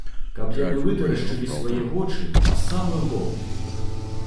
Каб яны вытарашчылі свае вочы на самы лоб!